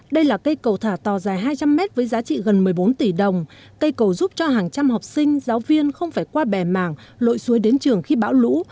đây là cây cầu thả tàu dài hai trăm linh mét với giá trị gần một mươi bốn tỷ đồng cây cầu giúp cho hàng trăm học sinh giáo viên không phải qua bè mảng lội suối đến trường khi bão lũ